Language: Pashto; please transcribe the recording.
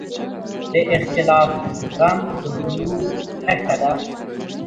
د اختلاف زغم د بلوغ نښه ده